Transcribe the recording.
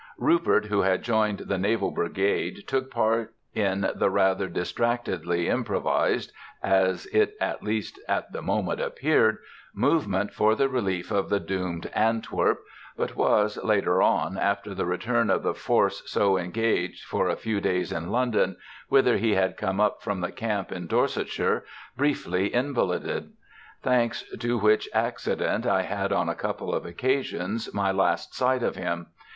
Rupert, who had joined the Naval Brigade, took part in the rather distractedly improvised as it at least at the moment appeared movement for the relief of the doomed Antwerp, but was, later on, after the return of the force so engaged, for a few days in London, whither he had come up from camp in Dorsetshire, briefly invalided; thanks to which accident I had on a couple of occasions my last sight of him.